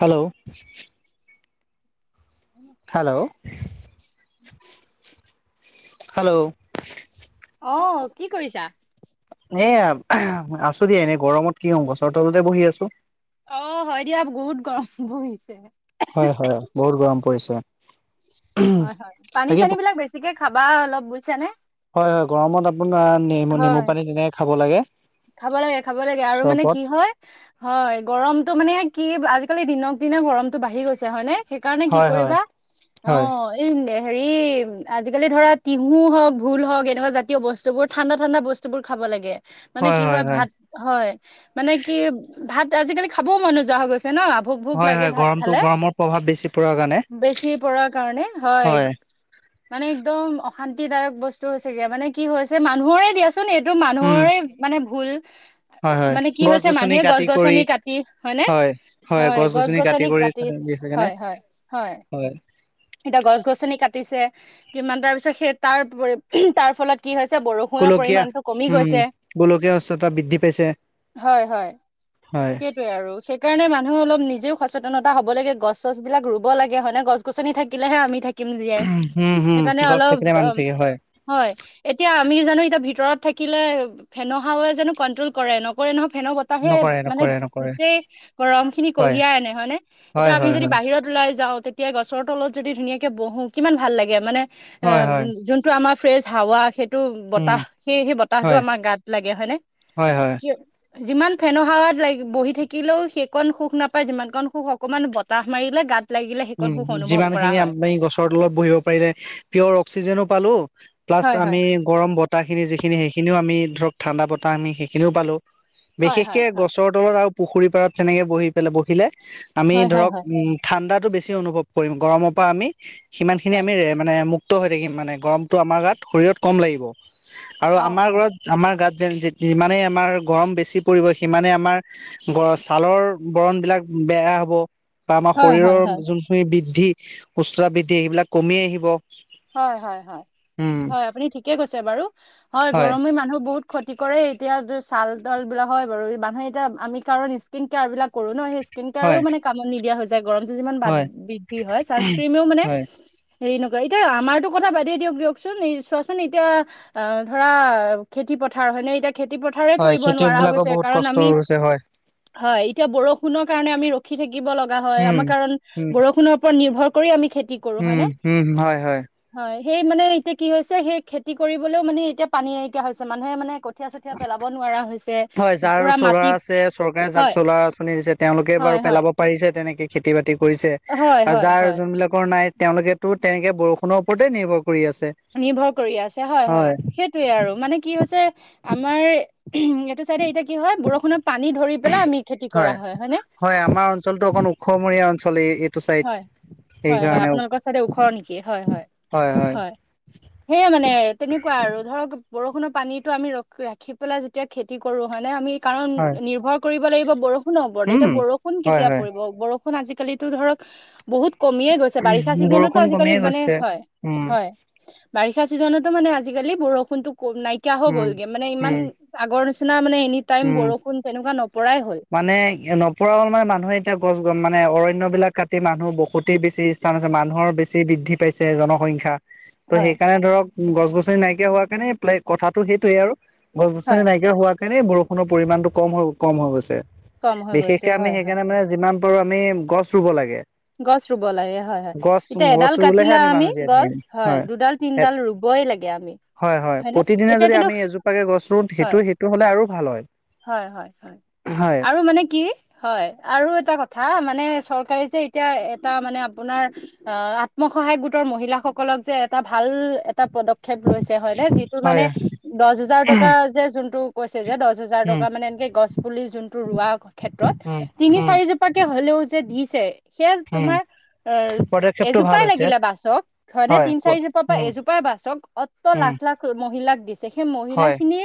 Hello, উম, hello, hello, অ, কি কৰিছা? এয়া আছো দিয়া এনেই গৰমত কি হম, গছৰ তলতে বহি আছো। অ, হয় দিয়া বহুত গৰম পৰিছে। হয় হয় বহুত গৰম পৰিছে। হয় হয় পানী বাকী চানী বিলাক বেছিকে খাবা অলপ বুজছানে। হয় হয় গৰমত আপোনাৰ নেমু নেমু পানী তেনেকে খাব লাগে। খাব লাগে খাব লাগে আৰু মানে চৰবত কি হয়। হয় গৰমতটো মানে কি আজিকালি দিনক দিনে গৰমতটো বাঢ়ি গৈছে হয় নে। সেইকাৰণে কি হয় হয় কৰিবা অ, হয় এ হেৰি। আজিকালি ধৰা তিহু হওক ভোুল হওক এনেকুৱা জাতীয় বস্তু বোৰ ঠাণ্ডা ঠাণ্ডা বস্তু বোৰ খাব লাগে। মানে কি হয় ভাত হয় মানে কি ভাত আজিকালি খাবও মন যোৱা হৈ গৈছে। ন, ভোক ভোক হয় লাগে হয় ভাত গৰমটো খালে গৰমৰ প্ৰভাৱ বেছি পৰাৰ কাৰণে বেছি পৰাৰ কাৰণে হয়। মানে একদম অশান্তিদায়ক বস্তু হৈছেগে মানে কি হৈছে মানুহৰে দিয়া। চোন এইটো উম মানুহৰে মানে ভুল। হয় হয় মানে কি গছ হৈছে গছনি মানুহে গছ কাটি কৰি গছনি কাটি হয়নে হয় হয় গছ কাটি গছনি কৰি কি। দিছে কাৰণে হয় হয় হয়। এতিয়া গছ গছনি কাটিছে কিমান তাৰ পিছত সেই তাৰ তাৰ ফলত কি হৈছে বৰষুণৰ গোলকীয়া পৰিমণটো কমি উম গৈছে। গোলকীয় উষ্ণতা বৃদ্ধি পাইছে। হয় হয় হয় সেই আৰু সেইকাৰণে মানুহ অলপ নিজেও সচেতনতা হ'ব লাগে গছ গছ বিলাক ৰুব লাগে হয় ননে গছ। গছনি থাকিলেহে আমি থাকিম জাই হম হম সেইকাৰণে গছ অলপ থাকিলে অ, মানুহ থাকে হয় হয়, এতিয়া আমি জানো এতিয়া ভিতৰত থাকিলে। ফেনো খাৱে জনো কন্ট্ৰল কৰে নকৰে নহয় ফেন তাহে নকৰে মানে নকৰে নকৰে গোটেই গৰম খিনি হয় কঢ়িয়াই আনে হয় নে হয় এতিয়া আমি হয় যদি হয় বাহিৰত লাই যাওঁ তেতিয়া গছৰ তলত যদি ধুনীয়াকে বহো কিমান ভাল লাগে মানে হয় হয় অ, টো আমাৰ ফ্ৰেচ হাৱা সেইটো উম বতাহ সেই সেই বতাহতটো হয় আমাৰ গাত লাগে হয় ন, হয় হয় [inaudible] যিমান ফেনৰ হাৱাত লাগি বহি থাকিলেও সেইকণ সুখ নাপায় যিমানকণ সুখ অকণমান বতাহ মাৰিলে গাত লাগিলে সেইকণ উম, সুখ অনুভৱ যিমান কৰা খিনি হয় আমাৰ গছ পাৰিলে পিঅৰ অক্সিজেনোও পালো প্লাছ হয় হয় আমি গৰম বতাহিনি যিখিনি সেইখিনিওম ধৰক ঠাণ্ডা বতাহ সেইখিনিও পালোঁ। হয় বিশেষকে হয় হয় গছৰ তলত আৰু পুখুৰী পাৰত তেনেকে বহি পেলাই বহিলে। আমি হয় হয় ধৰক হয় উম ঠাণ্ডাতটো বেছি অনুভৱ কৰিম গৰমৰ পৰা আমি সিমানখিনি হয় আমি। মানে মুক্ত হৈ থাকিম মানে গৰমটো আমাৰ গাত শৰীৰত কম লাগিব আৰু অ আমাৰ অ ঘৰত। আমাৰ গাত যেন যিমানে আমাৰ গৰম বেছি পৰিব সিমানে আমাৰ। ছালৰ বৰণ বিলাক বেয়া হ'ব। বা আমাৰ হয় হয় শৰীৰৰ হয় যোনখিনি বৃদ্ধি সুস্থতা বৃদ্ধি সেইবিলাক কমি আহিব। হয় হয় হয় উম হয় আপুনি ঠিকে কৈছে বাৰু, হয় গৰমে মানুহ বহুত ক্ষতি কৰে এতিয়া য চাল তল বিলাক হয় বাৰু মানুহে এতিয়া আমি কাৰণ স্কিন কেয়াৰ বিলাক কৰো ন সেই। স্কিন কেয়াৰেও হয় মানে কামত নিদিয়া হৈ যায় গৰমটো যিমান বাদ হয় বৃদ্ধি হয় ছানস্ক্ৰ্ৰীমেও মানে। হয় হেৰি নকৰে এতিয়া আমাৰতো কথা বাদেই দিয়ক দিয়কচোন চোৱাচোন এতিয়া অ ধৰা খেতি পথাৰ হয় নে এতিয়া খেতি পথাৰ হয় কৰিব খেতিয়ক নোৱাৰা হৈ বিলাকৰ গৈছে বহুত কাৰণ কষ্ট আমি হৈছে হয় হয় এতিয়া বৰষুণৰ কাৰণে আমি ৰখি থাকিব লগ লগা হয় উম আমাৰ কাৰণ উম বৰষুণৰ ওপৰত নিৰ্ভৰ কৰি আমি খেতি কৰো উম হয়নে উম হয় হয় হয় সেই মানে এতিয়া কি হৈছে সেই খেতি কৰিবলেও মানে এতিয়া পানী নৰিিয়া হৈছে মানুহে মানে কঠীয়া চঠীয়া পেলাব নোৱাৰা হৈছে হয় যাৰ পুৰা চলাৰ মাটি আছে চৰকাৰে যাক হয় চলাৰ আঁচনি দিছে তেওঁলোকে হয় বাৰু হয় পেলাব পাৰিছে তেনেকে খেতি বাতি কৰিছে হয় আৰু হয় যাৰ হয় যোনবিলাক নাই তেওঁলোকেতো তেনেকে বৰষুণৰ ওপৰতে নিৰ্ভৰ কৰি আছে নিৰ্ভৰ কৰি আছে হয় হয় সেই সয়ে আৰু মানে কি হৈছে আমাৰ উ এইটো চাইডে এতিয়া কি হয় বৰষুণত পানী ধৰি পলে আমি খেতি কৰা হয় নে হয় আমাৰ অঞ্চলতটো অকণ ওখমৰীয়া অঞ্চল এইটো চাইড হয় হয় হয় সেইকাৰণে আপোনালোকৰ চাইড ওখ নেকি হয় হয় হয় সেয়ে মানে তেনেকুৱা আৰু ধৰক বৰষুণৰ পানীতো আমি ৰ ৰাখি পেলাই যেতিয়া খেতি কৰো হয় নে আমি কাৰণ হয় নিৰ্ভৰ কৰিব লাগিব বৰষুণৰ ওৰত উম এতিয়া বৰষুণ হয় কেতিয়া হয় পৰিব বৰষুণ আজিকালিতো ধৰক বহুত কমিয়ে গৈছে বাৰিষা চিজনতো বৰষুণ আজিকালি কমিয়ে মানে গৈছে হয় উম হয় বাৰিষা চিজনতো মানে আজিকালি বৰষুণতো ক নাইকিয়া হৈ উম গ'লগে মানে উম ইমান আগৰ নিচিনা মানে এনি টাইম উম বৰষুণ তেনেকুৱা নপৰাই হ'ল মানে ন ফপৰাল মে মানুহে এতিয়া গছ গছ মানে অৰণ্যবিলাক কাটি মানুহ বহুতেই বেছি স্থান আছে মানুহৰ বেছি বৃদ্ধি পাইছে জনসংখ্যা ত' হয় সেইকাৰণে ধৰক গছ গছনি নাইকিয়া হোৱা কাৰণে পাই কথাটো সেইটয়ে আৰু গছ হয় গছনি নাইকিয়া হোৱা কাৰণেই বৰষুণৰ পৰিমাণটো কম হৈ কম হৈ গৈছে কম হৈ গৈছে বিশেষকে আমি হয় হয় সেইকাৰণে মানে যিমান পাৰো আমি গছ ৰুব লাগে গছ ৰুব লাগে হয় হয় গছ এতিয়া গছ এডাল ৰুলেহে কাটিলা আমি মানুহ জীয়াই গছ থাকিম হয় দুডাল তিনডাল ৰুবই লাগে আমি হয় হয় হয়নে? প্ৰতিদিনে এতিয়া যদি কিন্তু আমি এজোপাকে গছ ৰুওঁ হয়, সেইটো সেইটো হ'লে আৰু ভাল হয় হয় হয় হয় হয় আৰু মানে কি হয় আৰু এটা কথা মানে চৰকাৰে যে এতিয়া এটা মানে আপোনাৰ অ আত্মসহায় গোটৰ মহিলাসকলক যে এটা ভাল এটা প েপ লৈছে হয়নে যিটো মানে হয় দহ হাজাৰ টকা যে যোনটো কৈ যে দহ হাজাৰ উম টকা মানে একে গছ প যোনটো ৰ ক্ষেত্ৰ উম উম তিনিাৰ প পাকে হ'লেও যে দিছে সেয়া উম তোমাৰ অ পদক্ষেপটো ভাল এজোপাই হৈছে লাগিলে বাছক ধৰনেে হয় তিন চাৰিজোপাৰ পৰা উম এজোপাই বাছক অত উম লাখ লাখ মহিলাক দিছে সেই মহিলা হয় খিনি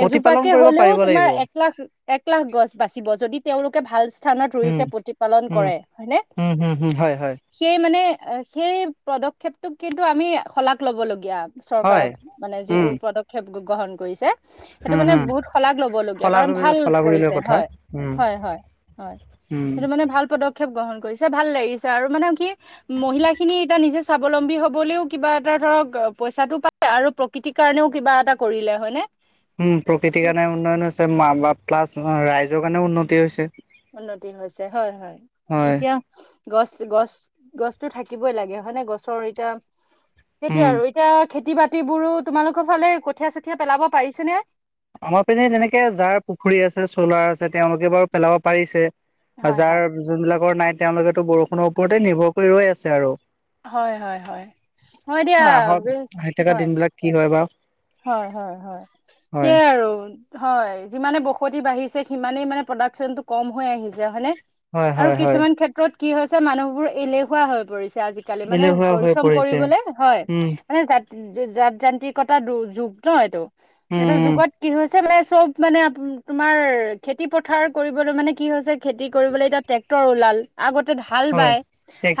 প্ৰতিপালন এজোপাকে কৰিব হলেও পাৰিব তোমাৰ লাগিব এক লাখ এক লাখ গছ বাচিব যদি তেওঁলোকে ভাল স্থানত উম ৰুইছে প্ৰতিপালন উম কৰে হয়নে? উম হুম হুম হয় হয় সেই মানে সেই পদক্ষেপটোক কিন্তু আমি শলাগ লব লগগীয়া হয় চৰকাৰৰ মানে উম যিটো পদক্ষেপ গ্ৰহণ কৰিছে সেইটো উম মানে হম বহুত শলাগ ল'ব লগগীয়া কাৰণ শলাগৰি ভাল শলাগৰি লৈ কৰিছে কথা হয় উম হয় হয় হয় উম সেইটো মানে ভাল পদক্ষেপ গ্ৰহণ কৰিছে ভাল লাগিছে আৰু মানে কি মহিলা খিনি এতিয়া নিজে স্বাৱলম্বী হবলেও কিবা এটা ধৰক পইচাটো পায় আৰু প্ৰকৃতিৰ কাৰণেও কিবা এটা কৰিলে হয়নে উম প্ৰকৃতিৰ কাৰণে উন্নয়ন হৈছে প্লাছ ৰাইজৰ কাৰণে উন্নতি হৈছে উন্নতি হৈছে হয় হয় হয় এতিয়া গছ গছ গছতো থাকিবই লাগে হয় নে গছৰ এতিয়া সেইটোয়ে উম আৰু এতিয়া খেতি বাতি বোৰো তোমালোকৰ ফালে কঠীয়া চঠীয়া পেলাব পাৰিছে নে আমাৰ পিনে তেনেকে যাৰ পুখুৰী আছে চ'লাৰ আছে তেওঁলোকে বাৰু পেলাব পাৰিছে। হয় যাৰ হয় যোনবিলাকৰ নাই তেওঁলোকেতো বৰষুণৰ ওপৰতে নিৰ্ভৰ কৰি ৰৈ আছে আৰু হয় হয় হয় হয় দিয়া বে- আহক আহি থকা হয় দিন বিলাক কি হয় বাৰু হয়, হয়, হয় হয় সেইয়াই আৰু হয় যিমানে বসতি বাঢ়িছে সিমানেই মানে প্ৰডাকচনটো কম হৈ আহিছে হয়নে। হয় আৰু হয় হয় কিছুমান ক্ষেত্ৰত কি হৈছে মানুহবোৰ এলেহুৱা হৈ পৰিছে। আজিকালি মানে এলেহুৱা হৈ পৰিশ্ৰম পৰিছে কৰিবলে হয় উম মানে যা যান্ত্ৰিকতা যুগ ন এইটো এইটো উম যুগত কি হৈছে মানে চব মানে তোমাৰ খেতি পথাৰ কৰিবলৈ মানে কি হৈছে খেতি কৰিবলৈ এতিয়া ট্ৰেক্টৰ ওলাল আগতে হাল হয় বাই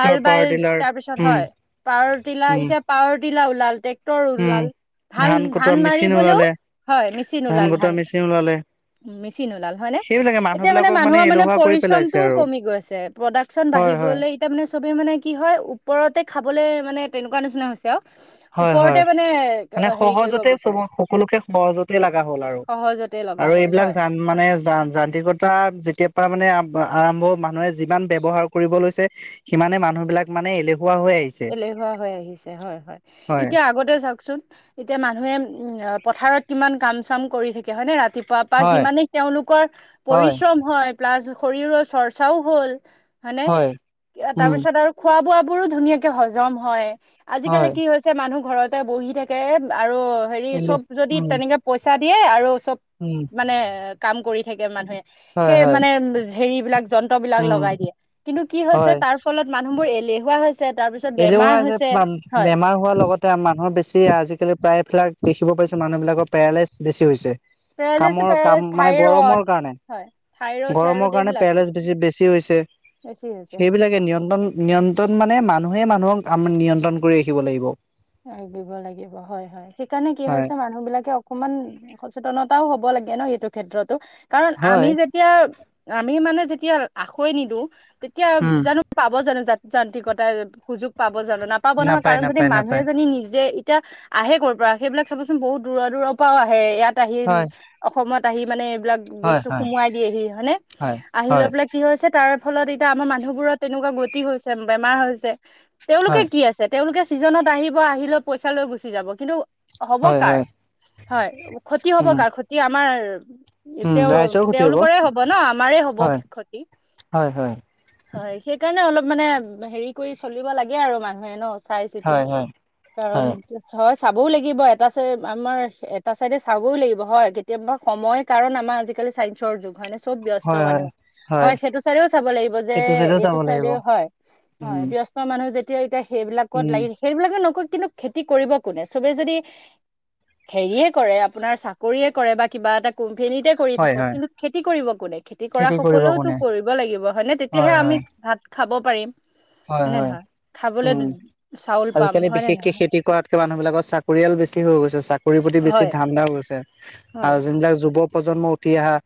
হাল বাই পাৱাৰ টিলাৰ তাৰপিছত উম হয় পাৰ তিলা উম এতিয়া পাৱাৰ টিলা ওলাল ট্ৰেক্টৰ উম ওলাল ধান, ধান কটোৱা মেচিন মাৰিবলৈও ওলালে হয় মেচিন ওলাল কটোৱা ধান মেচিন ওলালে মেচিন ওলাল হয় নে সেইবিলাকে মানুহ এতিয়া মানে বিলাকক মানুহৰ মানে এলেহুৱা কৰি পেলাইছে পৰিশ্ৰমটোও আৰু কমি গৈছে। প্ৰডাকশ্যন হয় হয় বাঢ়িবলৈ এতিয়া মানে চবেই মানে কি হয় ওপৰতে খাবলৈ মানে তেনেকুৱা নিচিনা হৈছে আৰু হয় হয় ওপৰতে মানে মানে হেৰি কৰিব সহজতে চ বিচাৰে সকলোকে সহজতে লগা হ'ল আৰু সহজতে লগা আৰু হ'ল এইবিলাক হয় জান মানে য যান্ত্ৰিকতা যেতিয়াৰ পৰা মানে আৰম্ভ মানুহে যিমান ব্যৱহাৰ কৰিব লৈছে সিমানে মানুহ বিলাক মানে এলেহুৱা হৈ আহিছে। এলেহুৱা হৈ আহিছে হয়, হয় এতিয়া আগতে চাওকচোন এতিয়া মানুহে উ পথাৰত কিমান কাম চাম কৰি থাকে হয়নে ৰাতিপুৱা বা হয় সিমানে তেওঁলোকৰ হয় পৰিশ্ৰম হয় প্লাছ শৰীৰৰ চৰ্চাও হল হয়নে হয় তাৰ উম পিছত আৰু খোৱা বোৱ বোৰো ধুনীয়াকে হজম হয় আজিকালি হয় কি পছে মানুহ ঘৰতে বহি থাকে আৰু হেৰি এলে চব যদি উম তেনেকে পইচা দিয়ে আৰু চব উম। মানে কাম কৰি থাকে মানে হয় সেই হয় মানে হেৰি বিলাক যন্ত্ৰ বিলাক উম লগাই দিয়ে কিন্তু কি হৈছে হয় তাৰ ফলত মানুহবোৰ এলেহুৱা হৈছে তাৰ পিছত বেমাৰ এলেহুৱা হৈছে যে হয়। বেমাৰ হ হোৱাৰ লগতে মানুহৰ বেছি আজিকালি প্ৰায়বিলাক দেখিব পাইছো মানুহবিলাকৰ পেৰালাইচ বেছি হৈছে পেৰালাইচিছ কামৰ পেৰালাইচিছ কাম মানে থাইৰড গৰমৰ কাৰণে হয় থাইৰড গৰমৰ চাইৰড কাৰণে এইবিলাকো পেৰেলেছ বেছি বেছি হৈছে বেছি হৈছে হয়। সেইবিলাকে নিয়ন্ত্ৰণ নিয়ন্ত্ৰণ মানে মানুহে মানুহক আম নিয়ন্ত্ৰণ কৰি ৰাখিব লাগিব। এ দিব লাগিব হয়, হয় সেইকাৰণে কি হয় হৈছে মানুহ বিলাকে অকণমান সচেতনতাও হ'ব লাগে ন এইটো ক্ষেত্ৰতো কাৰণ আমি হয় যে এতিয়া আমি মানে যেতিয়া আখৈ নিদিওঁ তেতিয়া উম জানো পাব জানো যা যান্ত্ৰিকতাৰ সুযোগ পাব জানো নাপাব নহয় নাপায় কাৰণ যদি নাপায় মাক নাপায় আপুনি নিজে এতিয়া আহে কৰ'ৰ পৰা সেইবিলাক চাবচোন বহুত দূৰ দূৰৰ পৰাও আহে ইয়াত আহি হয় অসমত আহি মানে এইবিলাক হয় বস্তু হয় সোমোৱাই দিয়েহি হয়নে হয় আহি লৈ হয় পেলাই কি হৈছে তাৰ ফলত এতিয়া আমাৰ মানুহবোৰত তেনেকুৱা গতি হৈছে বেমাৰ হৈছে তেওঁলোকে হয় কি আছে তেওঁলোকে ছিজনত আহিব আহিলৈ পইচা লৈ গুচি যাব কিন্তু হ'ব হয় কাৰ, হয় হয় ক্ষতি হ'ব উম কাৰ, ক্ষতি আমাৰ উম তেওঁ ৰাইজৰ ক্ষতি তেওঁলোকৰে হ'ব ন আমাৰে হ'ব হয় ক্ষতি হয় হয় হয় সেইকাৰণে অলপ মানে হেৰি কৰি চলিব লাগে আৰু মানুহে ন চাই চিতি হয় হয় কাৰণ হয় হয় চাবও লাগিব এটা চাই আমাৰ এটা চাইডে চাবও লাগিব হয় কেতিয়াবা সময় কাৰণ আমাৰ আজিকালি চাইন্সৰ যুগ হয় নে চব হয় ব্যস্ত হয় মানুহ হয়, সেইটো চাইডেও চাব লাগিব যে সেইটো চাইডো এইটো চাব লাগিব চাইডেও হয়, হয় উম ব্যস্ত মানুহ যেতিয়া এতিয়া সেইবিলাকত উম লাগি সেইবিলাকে নকৈ কিন্তু খেতি কৰিব কোনে চবেই যদি হেৰিয়ে কৰে আপোনাৰ চাকৰিয়ে কৰে বা কিবা এটা কোম্পেনীতে কৰি হয় থাক হয় কিন্তু খেতি কৰিব কোনে খেতি কৰা কৰিব সকলেওতো কোনে কৰিব লাগিব হয় নে তেতিয়াহে আমি ভাত খাব পাৰিম হয় হয়নে হয় নহয়? খাবলৈ চাউল পাম সে হয় নে বিশেষকে নহয় খেতি কৰাতকে মানুহবিলাক চাকৰিয়াল বেছি হৈ গৈছে চাক খৰি প্ৰতি বেছি হয় ধান্দাও গৈছে হয় আৰু যোনবিলাক যুৱ প্ৰজন্ম উঠি অহা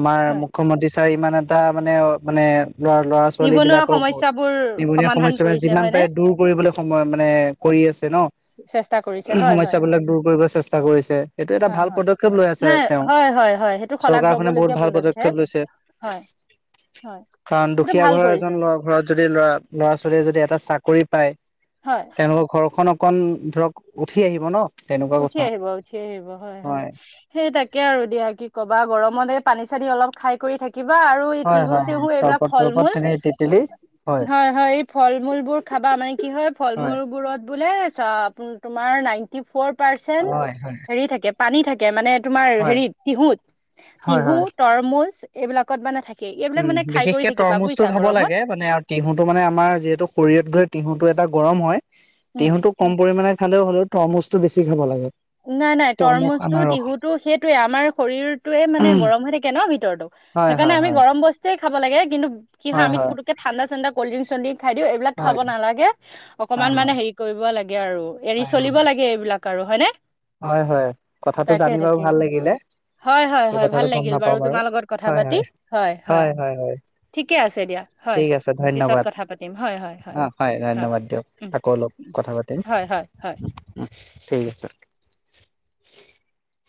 আমাৰ হয় মুখ্য মতি ছাৰ ইমান এটা মানে মানে ল'ৰা ল'ৰা ছোৱালী বিলাকক ক বুৰ নিবনুৱা সমস্যা মানে যিমান পাৰে দূৰ কৰিবলৈ সময় মানে কৰি আছে চেষ্টা কৰিছে ন'। হয় হয় হয় সমস্যাবিলাক দূৰ কৰিব চেষ্টা কৰিছে সেইটো এটা হয় ভাল হয় পদক্ষেপ লৈ আছে নাই তেওঁ। হয় হয় হয় সেইটো শলাগ চৰকাৰখনে লবলগীয়া বহুত ভাল পদক্ষেপ লৈছে। হয় হয়। কাৰণ সেইটো দুখীয়া ভাল ঘৰৰ কৰিছে এজন ল'ৰা ঘৰত যদি ল'ৰা ল'ৰা ছোৱালীয়ে যদি এটা চাকৰি পায় হয়। তেওঁলোকৰ ঘৰখন অকণ ধৰক উঠি আহিব ন'। তেনেকুৱা উঠি কথা আহিব, উঠি আহিব, হয় হয়। সেই তাকে আৰু দিয়া, কিকবা গৰমতে পানী চানী অলপ খাই কৰি থাকিবা আৰু হয় তিহু হয় হয় চেহু এইবিলাক চৰবত ফল তৰবত মূল তেনে তেতেলী হয় হয়। এই ফল মূলবোৰ খাবা মানে কি হয় ফল মূলবোৰত বোলে চব তোমাৰ নাইনটি ফৰ পাৰ্চেন হয় হয় হেৰি থাকে পানী থাকে মানে তোমাৰ হয় হেৰিত টিহুত হয় টিহু, হয় তৰমুজ এইবিলাকত মানে থাকে এইবিলাক উম মানে খাই কৰি থাকিবা বুজিছা গৰমত। টিহুটো মানে আমাৰ যিহেতু শৰীৰত গৈ টিহুটো এটা গৰম হয় উম টিহুটোক কম পৰিমাণে খালেও হ'লেও তৰমুজটো বেছি খাব লাগে। নাই নাই তৰমুজ টো টিহুটো সেইটোয়ে আমাৰ শৰীৰটোৱে মানে গৰম হৈ থাকে ন' ভিতৰতো। হয় সেইকাৰণে হয় আমি হয় গৰম বস্তয়ে খাব লাগে কিন্ত কি হয় আমি পুতুকে ঠাণ্ডা চাণ্ডা কল্ড্ৰিং চলডিং খাই দিও এইবিলাক হয় খাব নালাগে অকমান হয় মানে হেৰি কৰিব লাগে আৰু এৰি হয় চলিব লাগে এইবিলাক। কাৰো হয়নে? হয় হয়, কথাটো তাকে জানি বাৰু তাকে ভাল লাগিলে। হয় হয় সি হয় কথাটো ভাল গম লাগিল নাপাও বাৰু তোমাৰ লগত কথা হয়, পাতি হয় হয় হয়। ঠিকে আছে দিয়া হয় ঠিক আছে পিছত ধন্যবাদ। কথা পাতিম হয় হয় অ' হয় ধন্যবাদ দিয়ক। উম আকৌ অলপ কথা পাতিম। উম, হয় হয় হয় উম, ঠিক আছে।